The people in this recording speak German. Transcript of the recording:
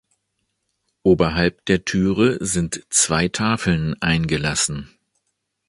Oberhalb der Türe sind zwei Tafeln eingelassen.